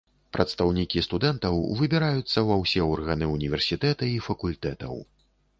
Прадстаўнікі студэнтаў выбіраюцца ва ўсе органы універсітэта і факультэтаў.